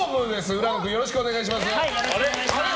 浦野君、よろしくお願いします。